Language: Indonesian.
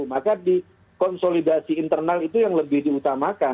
maka di konsolidasi internal itu yang lebih diutamakan